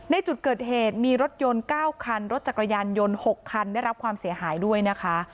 ในจุดเกิดเหตุมีรถยนต์๙คันรถจักรยานยนต์๖คันได้รับความเสียหายด้วยนะคะ